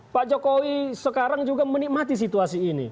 pak jokowi sekarang juga menikmati situasi ini